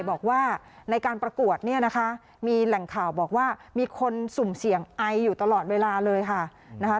บอกว่าในการประกวดเนี่ยนะคะมีแหล่งข่าวบอกว่ามีคนสุ่มเสี่ยงไออยู่ตลอดเวลาเลยค่ะนะคะ